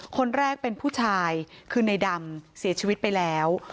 คนแรกเป็นผู้ชายคือในดำเสียชีวิตไปแล้ว